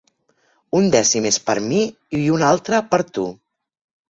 Un dècim és per a mi i un altre per a tu.